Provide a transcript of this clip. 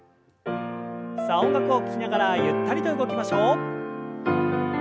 さあ音楽を聞きながらゆったりと動きましょう。